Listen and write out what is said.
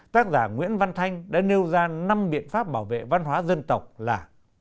tác giả nguyễn văn thanh đã nêu ra năm biện pháp bảo vệ văn hóa dân tộc là